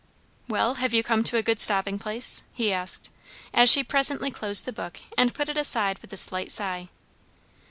"Well, have you come to a good stopping place?" he asked, as she presently closed the book and put it aside with a slight sigh.